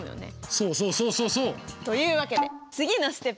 そうそうそうそうそう！というわけで次のＳＴＥＰ。